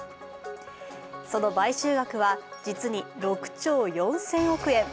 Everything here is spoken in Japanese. その買収額は実に６兆４０００億円。